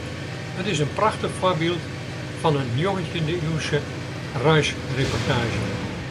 It is in prachtich foarbyld fan in njoggentjinde-iuwske reisreportaazje.